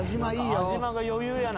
安嶋が余裕やな。